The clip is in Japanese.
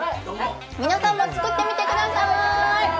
皆さんも作ってみてくださーい。